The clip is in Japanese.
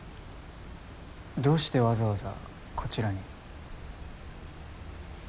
どうしてわざわざこちらに。